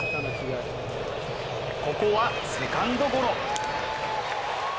ここはセカンドゴロ。